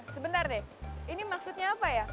sebentar deh ini maksudnya apa ya